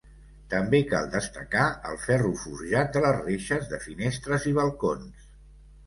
També cal destacar el ferro forjat de les reixes de finestres i balcons.